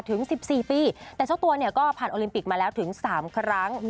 ถึง๑๔ปีแต่เจ้าตัวเนี่ยก็ผ่านโอลิมปิกมาแล้วถึง๓ครั้ง